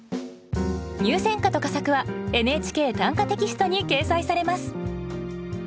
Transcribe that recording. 入選歌と佳作は「ＮＨＫ短歌」テキストに掲載されます。